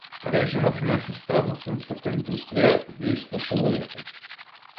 Режимот внесе страв во филмската индустрија, ги исплаши луѓето.